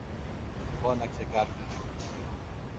φώναξε κάποιος.